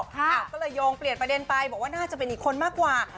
ก็เลยโยงเปลี่ยนประเด็นไปบอกว่าน่าจะเป็นอีกคนมากกว่า